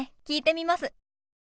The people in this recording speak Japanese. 聞いてみます。